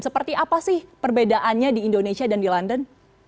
seperti apa sih perbedaannya di indonesia dan di london